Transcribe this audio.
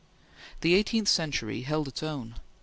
The eighteenth century held its own.